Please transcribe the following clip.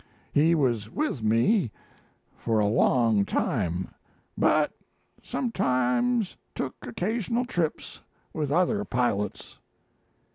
He was with me for a long time, but sometimes took occasional trips with other pilots."